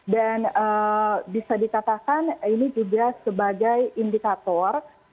dan bisa dikatakan ini juga sebagai indikator